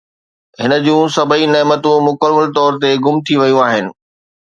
هن جون سڀئي نعمتون مڪمل طور تي گم ٿي ويون آهن